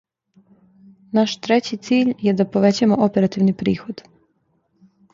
Наш трећи циљ је да повећамо оперативни приход.